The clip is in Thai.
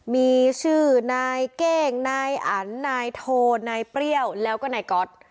มีชื่อนายเก้งนายอันนายโทนายเปรี้ยวแล้วก็นายก๊อต